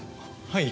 はい。